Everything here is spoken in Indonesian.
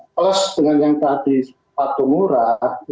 plus dengan yang tadi sepatu murah